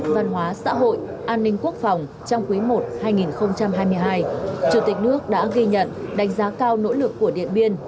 văn hóa xã hội an ninh quốc phòng trong quý i hai nghìn hai mươi hai chủ tịch nước đã ghi nhận đánh giá cao nỗ lực của điện biên